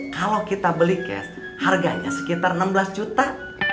kalau kita beli cash harganya sekitar enam belas juta